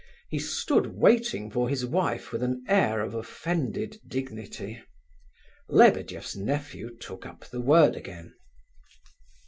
He stood waiting for his wife with an air of offended dignity. Lebedeff's nephew took up the word again.